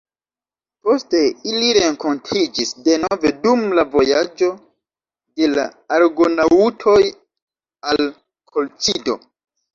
Poste ili renkontiĝis denove dum la vojaĝo de la argonaŭtoj al Kolĉido.